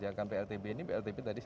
jadi ini hash bit kita harus memiliki